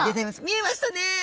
見えましたね！